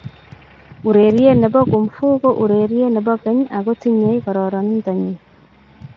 Urerie ne bo Kung Fu ko urerie ne bo keny ako tinyei kororintonyii.